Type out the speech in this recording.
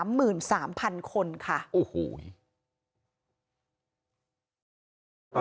ตอนนี้ก็เราต้องเรียกเราเอาสื่อเรียกแล้ว